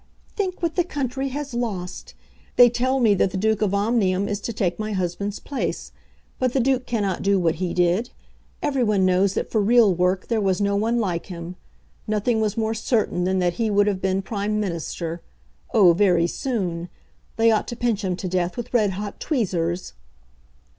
"Think what the country has lost! They tell me that the Duke of Omnium is to take my husband's place; but the Duke cannot do what he did. Every one knows that for real work there was no one like him. Nothing was more certain than that he would have been Prime Minister, oh, very soon. They ought to pinch him to death with red hot tweezers."